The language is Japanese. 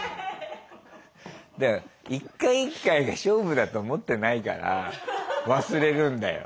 だから一回一回が勝負だと思ってないから忘れるんだよ。